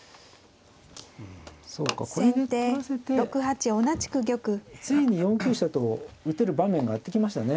そうかこれで取らせてついに４九飛車と打てる場面がやって来ましたね。